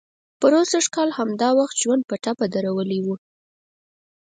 پروسږ کال همدا وخت ژوند په ټپه درولی و.